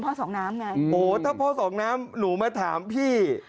โอ้ถ้าเพราะหนูมาถามพี่